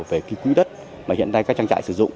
về cái quỹ đất mà hiện nay các chăn chạy sử dụng